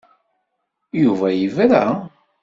Yuba yebra.